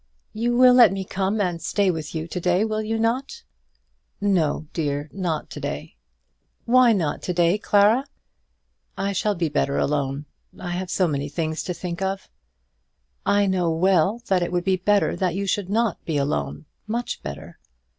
"You will let me come and stay with you to day, will you not?" "No, dear; not to day." "Why not to day, Clara?" "I shall be better alone. I have so many things to think of." "I know well that it would be better that you should not be alone, much better.